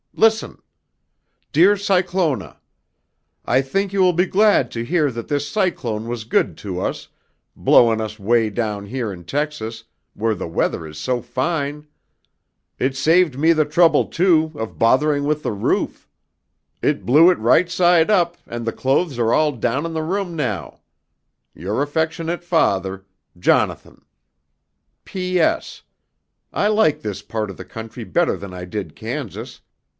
Listen: "'Dear Cyclona: "'I think you will be glad to hear that this cyclone was good to us, blowin' us 'way down here in Texas, where the weather is so fine. It saved me the trouble, too, of bothering with the roof. It blew it right side up and the clothes are all down in the room now.'" "'Your affectionate father,'" "'Jonathan.'" "'P.S. I like this part of the country better than I did Kansas.